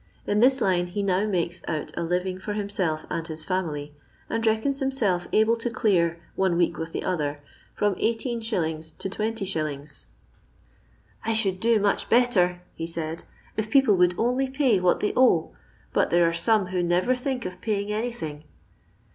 In this line he now makes ont a living for himself and his family, and reckons himself able to clear, one week with the other, from 18s. to 20s. I should do much better," he said, "if people would only pay what they owe; butHhere are some who never think of paying anything."